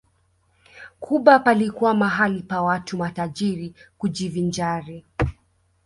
Cuba palikuwa mahala pa watu matajiri kujivinjari